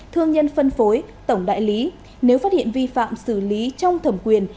thương nhân phân phối tổng đại lý nếu phát hiện vi phạm xử lý trong thẩm quyền